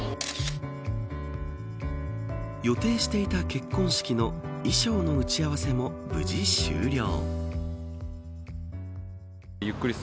予定していた結婚式の衣装の打ち合わせも無事終了。